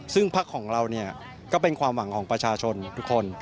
ซึ่งพักของเราเนี่ยก็เป็นความหวังของประชาชนทุกคน